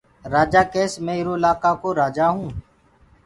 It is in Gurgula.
رآجآ ڪيس مي ايرو الآڪآئو رآجآئو